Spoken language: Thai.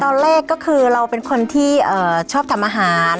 แรกก็คือเราเป็นคนที่ชอบทำอาหาร